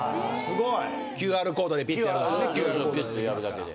ＱＲコードでピッってやるだけで。